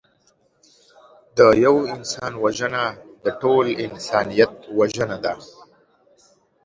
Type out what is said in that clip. د یوه انسان وژنه د ټول انسانیت وژنه ده